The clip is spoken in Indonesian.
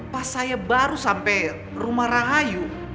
pas saya baru sampai rumah rahayu